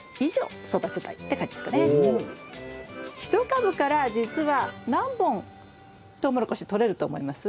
１株からじつは何本トウモロコシとれると思います？